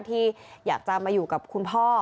ที่อยากจะมาอยู่กับคุณพ่อ